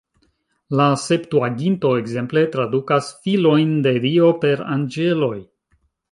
La Septuaginto, ekzemple, tradukas "filojn de Dio" per "anĝeloj".